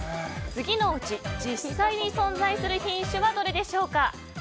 次のうち、実際に存在する品種はどれでしょうか？